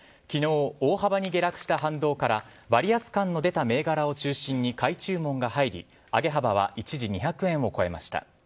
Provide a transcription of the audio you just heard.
昨日大幅に下落した反動から割安感が出た銘柄を中心に買い注文が入り上げ幅は一時２００円を超えました。